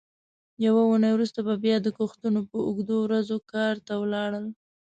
یوه اوونۍ وروسته به بیا د کښتونو په اوږدو ورځو کار ته ولاړل.